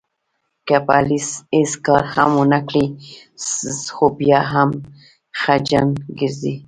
که په علي هېڅ کار هم ونه کړې، خو بیا هم خچن ګرځي.